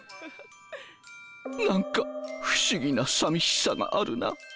何か不思議なさみしさがあるな。